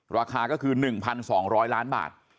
ราคาก็คือ๑๒๐๐ล้านบาท